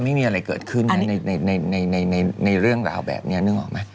ไม่มีอะไรเกิดขึ้นนะในเรื่องราวแบบนี้นึกออกไหม